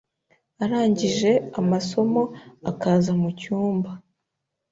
arangije amasomo akaza mucyumba